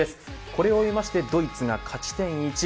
これを追いましてドイツが勝ち点１。